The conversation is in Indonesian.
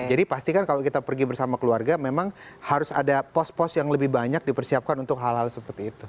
jadi pastikan kalau kita pergi bersama keluarga memang harus ada pos pos yang lebih banyak dipersiapkan untuk hal hal seperti itu